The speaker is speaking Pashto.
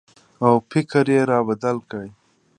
او فکر یې را بدل کړ